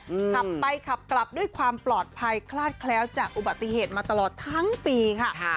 ขับไปขับกลับด้วยความปลอดภัยคลาดแคล้วจากอุบัติเหตุมาตลอดทั้งปีค่ะ